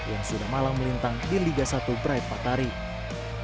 yang sudah malang melintang di liga satu indonesia